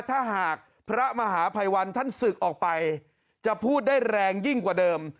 ถ้าหากพระมหาภัยวันท่านศึกออกไปจะพูดได้แรงยิ่งกว่าเดิม